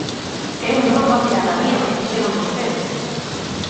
¡É un roubo á cidadanía o que fixeron vostedes!